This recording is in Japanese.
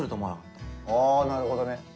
あなるほどね。